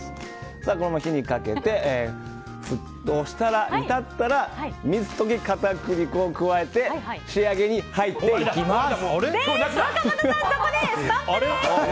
火にかけて、沸騰して湯だったら水溶き片栗粉を加えて仕上げに入っていきます。